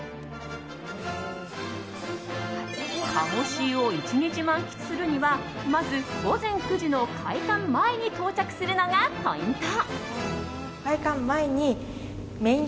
鴨シーを１日満喫するにはまず午前９時の開館前に到着するのがポイント。